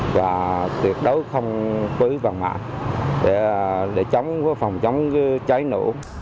và tuyệt đối không cưới vàng mạng để phòng chống cháy nổ